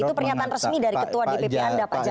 itu pernyataan resmi dari ketua dpp anda pak jaro